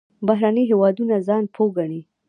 بهرني هېوادونه ځان پوه ګڼي.